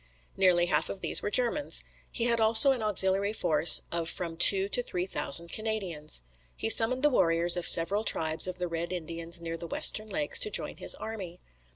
Nearly half of these were Germans. He had also an auxiliary force of from two to three thousand Canadians. He summoned the warriors of several tribes of the Red Indians near the western lakes to join his army.